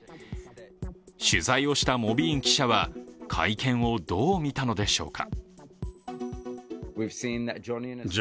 取材をしたモビーン記者は会見をどう見たのでしょうか。